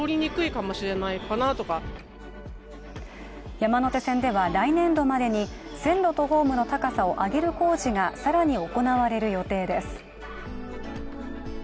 山手線では来年度までに線路とホームの高さを上げる工事が更に行われる予定です。